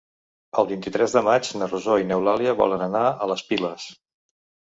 El vint-i-tres de maig na Rosó i n'Eulàlia volen anar a les Piles.